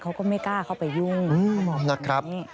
เขาก็ไม่กล้าเข้าไปยุ่งเขาบอกนะครับ